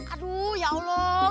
aduh ya allah